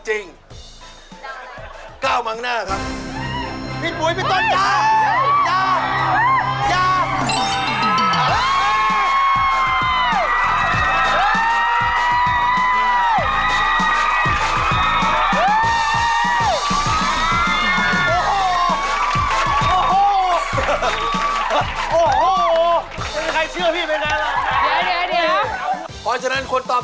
ช่องแห่ฟี่จังครับ